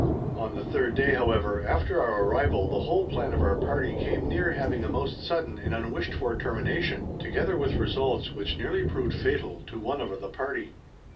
On the third day, however, after our arrival the whole plan of our party came near having a most sudden and unwished for termination, together with results which nearly proved fatal to one of the party.